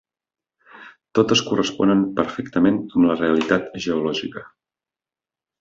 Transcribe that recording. Totes corresponen perfectament amb la realitat geològica.